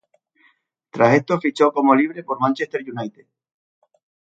Tras esto fichó como libre por Manchester United.